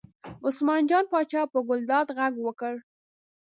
عثمان جان پاچا په ګلداد غږ وکړ.